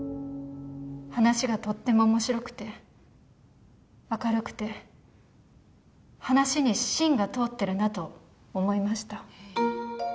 話がとってもおもしろくて、明るくて、話に芯が通っているなと思いました。